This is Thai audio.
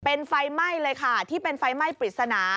เป็นไฟไหม้เลยค่ะที่เป็นไฟไหม้ปริศนา